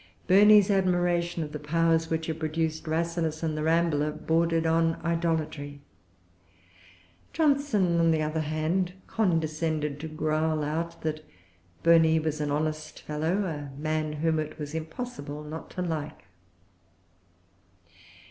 Burney's admiration of the powers which had produced Rasselas and The Rambler bordered on idolatry. Johnson, on the other hand, condescended to growl out that Burney was an honest fellow, a man whom it was impossible not to like.